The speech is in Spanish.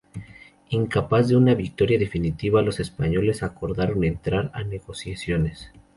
Incapaz de una victoria definitiva, los españoles acordaron entrar en negociaciones.